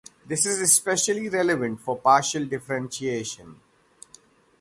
This is especially relevant for partial differentiation.